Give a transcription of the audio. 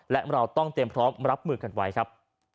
และเราต้องเตรียมพร้อมรับมือกันไว้ครับ